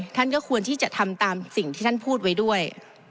ท่านก็ควรที่จะทำตามสิ่งที่ท่านพูดไว้ด้วย